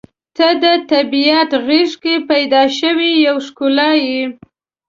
• ته د طبیعت غېږ کې پیدا شوې یوه ښکلا یې.